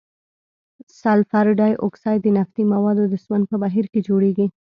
سلفر ډای اکساید د نفتي موادو د سون په بهیر کې جوړیږي.